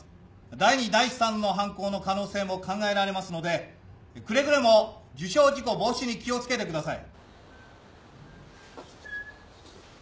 第二、第三の犯行の可能性も考えられますのでくれぐれも受傷事故防止に気を付けてください。